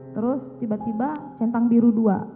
terus tiba tiba centang biru dua